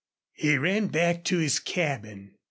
He ran back to his cabin.